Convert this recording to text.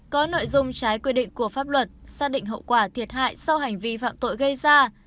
có nội dung trái quy định của pháp luật xác định hậu quả thiệt hại sau hành vi phạm tội gây ra